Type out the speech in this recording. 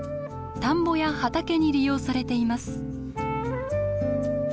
田んぼや畑に利用されています。